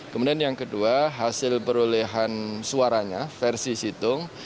kemudian yang kedua hasil perolehan suaranya versi situng